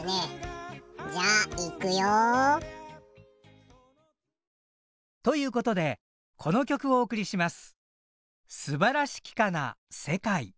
じゃあいくよ。ということでこの曲をお送りします。